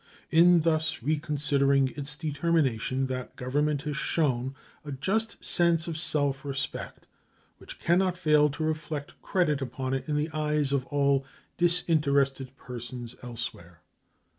In thus reconsidering its determination that Government has shown a just sense of self respect which can not fail to reflect credit upon it in the eyes of all disinterested persons elsewhere.